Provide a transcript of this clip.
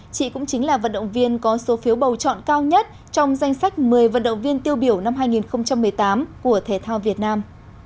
chị cũng chính là vận động viên có số phiếu bầu chọn cao nhất trong danh sách một mươi vận động viên tiêu biểu năm hai nghìn một mươi tám của thể thao việt nam